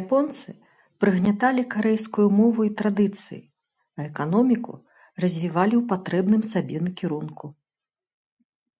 Японцы прыгняталі карэйскую мову і традыцыі, а эканоміку развівалі ў патрэбным сабе накірунку.